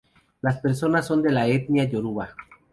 Las personas son de la etnia yoruba.